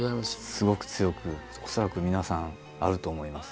すごく強く恐らく皆さんあると思います。